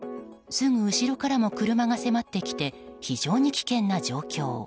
すぐ後ろからも車が迫ってきて非常に危険な状況。